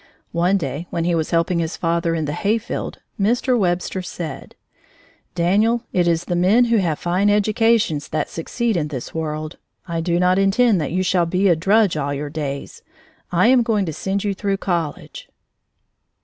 One day when he was helping his father in the hayfield, Mr. Webster said: "Daniel, it is the men who have fine educations that succeed in this world. I do not intend that you shall be a drudge all your days. I am going to send you through college." [Illustration: He rode there on horseback. _Page 129.